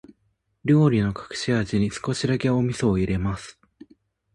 料理の隠し味に、少しだけお味噌を入れます。